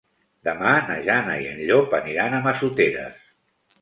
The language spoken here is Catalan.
Demà na Jana i en Llop aniran a Massoteres.